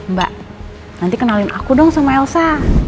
mbak nanti kenalin aku dong sama elsa